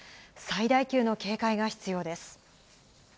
最大級の警戒が必要です。